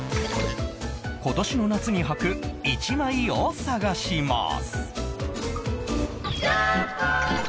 今年の夏にはく一枚を探します